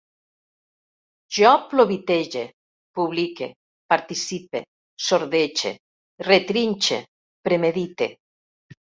Jo plovitege, publique, participe, sordege, retrinxe, premedite